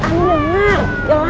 belum denger lagi ya